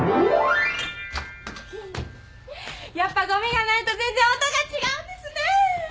やっぱゴミがないと全然音が違うんですね！